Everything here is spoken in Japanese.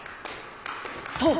そう！